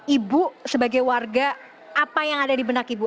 ibu sebagai warga apa yang ada di benak ibu